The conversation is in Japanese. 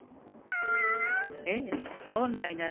ええ本来なら